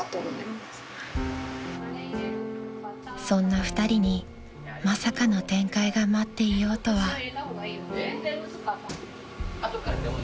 ［そんな２人にまさかの展開が待っていようとは］